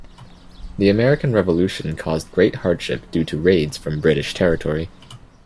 The American Revolution caused great hardship due to raids from British territory.